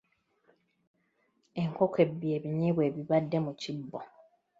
Enkoko ebbye ebinyeebwa ebibadde mu kibbo.